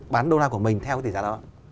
bán đô la của mình theo cái tỷ giá đó